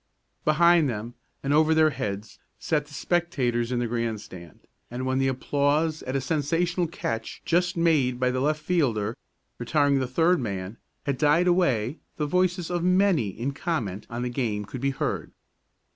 Behind them, and over their heads, sat the spectators in the grandstand, and when the applause at a sensational catch just made by the left fielder, retiring the third man, had died away the voices of many in comment on the game could be heard.